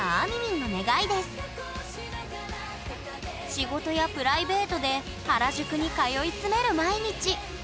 仕事やプライベートで原宿に通い詰める毎日。